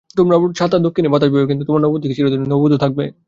তোমারও ছাতে দক্ষিনে বাতাস বইবে, কিন্তু তোমার নববধূ কি চিরদিনই নববধূ থাকবে।